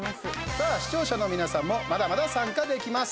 さあ、視聴者の皆さんもまだまだ参加できます。